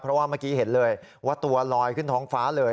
เพราะว่าเมื่อกี้เห็นเลยว่าตัวลอยขึ้นท้องฟ้าเลย